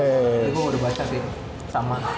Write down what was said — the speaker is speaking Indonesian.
itu gue baru baca sih